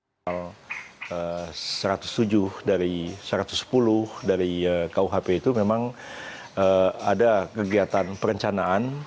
pasal satu ratus tujuh dari satu ratus sepuluh dari kuhp itu memang ada kegiatan perencanaan